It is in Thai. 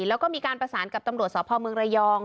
แล้วก็มีการประสานกับตำรวจสพเมืองระยอง